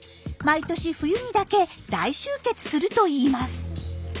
毎年冬にだけ大集結するといいます。